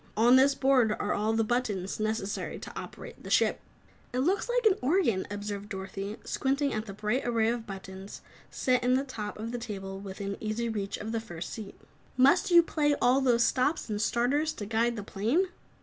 On this board are all the buttons necessary to operate the ship." "Looks like an organ," observed Dorothy, squinting at the bright array of buttons set in the top of the table within easy reach of the first seat. "Must you play all those stops and starters to guide the plane?"